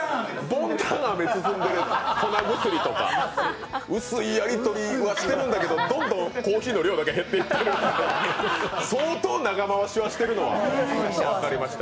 ボンタンアメ包んでる、薄いやりとりはしてるんだけど、どんどんコーヒーの量だけ減っていく相当長回ししているのは分かりました。